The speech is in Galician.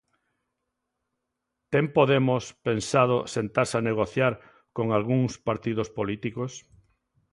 Ten Podemos pensado sentarse a negociar con algúns partidos políticos?